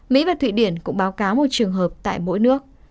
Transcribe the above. mỹ và thụy điển cũng báo cáo một trường hợp tại mỗi nước